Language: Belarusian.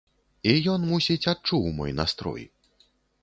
І ён, мусіць, адчуў мой настрой.